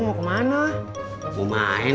dia kamu yang k tava k t rails